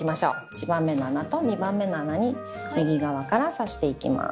１番目の穴と２番目の穴に右側から刺していきます。